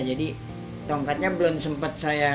jadi tongkatnya belum sempat saya letak